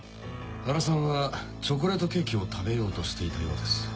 原さんはチョコレートケーキを食べようとしていたようです。